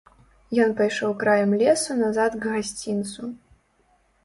Ён пайшоў краем лесу назад к гасцінцу.